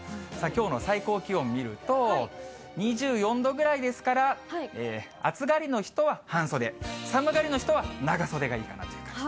きょうの最高気温見ると、２４度ぐらいですから、暑がりの人は半袖、寒がりの人は長袖がいいかなという感じ。